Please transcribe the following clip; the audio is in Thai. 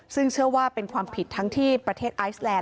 ซึ่งเชื่อว่าเป็นความผิดทั้งที่ประเทศไอซแลนด